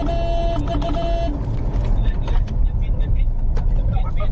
เอาเลย